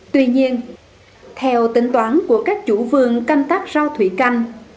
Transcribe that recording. tuy nhiên theo tính toán của các chủ vườn canh tác rau thủy canh